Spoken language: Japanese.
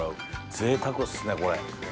ぜいたくっすねこれ。